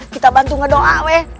kita bantu ngedoa